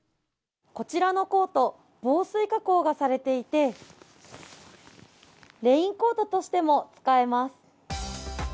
こちらのコート、防水加工がされていて、レインコートとしても使えます。